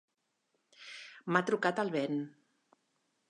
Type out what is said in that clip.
M'ha trucat el Ben.